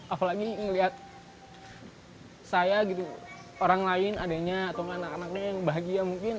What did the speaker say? apalagi ngelihat saya gitu orang lain adiknya atau anak anaknya yang bahagia mungkin